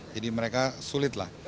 jadi mereka sulit lah